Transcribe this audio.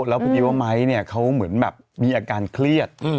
แล้วพอดีว่าไม้เนี่ยเขาเหมือนแบบมีอาการเครียด